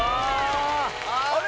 あれ？